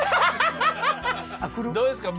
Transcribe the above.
どうですか？